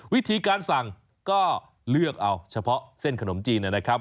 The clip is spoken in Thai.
วิธีการสั่งก็เลือกเอาเฉพาะเส้นขนมจีนนะครับ